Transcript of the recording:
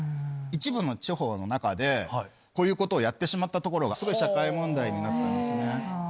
一部の地方の中でこういうことをやってしまったところがすごい社会問題になったんですね。